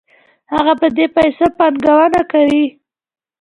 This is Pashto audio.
هغه په دې پیسو پانګونه کوي